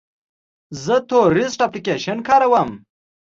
زه تورسټ اپلیکیشن کاروم.